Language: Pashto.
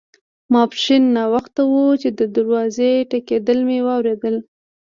ماپښین ناوخته وو چې د دروازې ټکېدل مې واوریدل.